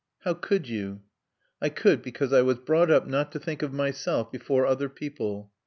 "How could you?" "I could because I was brought up not to think of myself before other people."